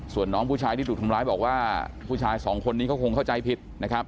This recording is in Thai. ส่วนน้องผู้ชายที่ถูกทำร้ายบอกว่าผู้ชายสองคนนี้เขาคงเข้าใจผิดนะครับ